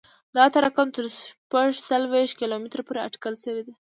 دا تراکم تر شپږ څلوېښت کیلومتره پورې اټکل شوی دی